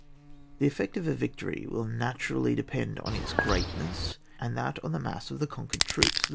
The effect of a victory will naturally depend on its greatness^ and that on the mass of the conquered troops.